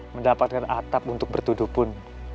mendapatkan atap untuk bertuduh pun